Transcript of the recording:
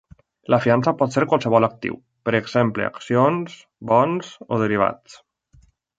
La fiança pot ser qualsevol actiu, per exemple accions, bons o derivats.